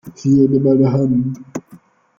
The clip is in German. Hier, nimm meine Hand!